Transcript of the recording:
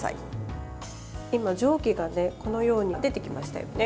今、蒸気がこのように出てきましたよね。